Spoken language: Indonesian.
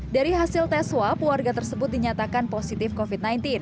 dari hasil tes swab warga tersebut dinyatakan positif covid sembilan belas